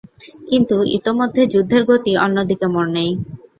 কিন্তু ইতোমধ্যে যুদ্ধের গতি অন্য দিকে মোড় নেয়।